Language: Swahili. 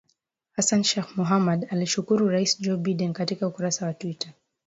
Hassan Sheikh Mohamud alimshukuru Rais Joe Biden katika ukurasa wa Twitter